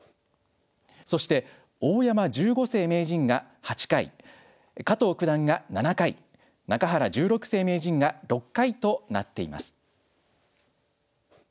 そして大山十五世名人が８回加藤九段が７回中原十六世名人が６回となっています。